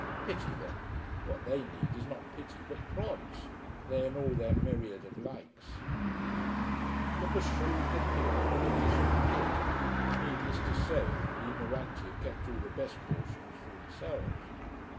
Pity them! What they need is not pity but prods: they and all their myriad of likes. The be shawled appeared with a dish of kid. Needless to say, the ignoranti had kept all the best portions for themselves.